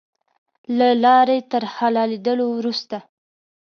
له لارې تر حلالېدلو وروسته.